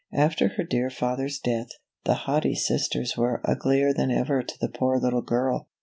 After her dear father's death, the haughty sisters were uglier than ever to the poor little girl.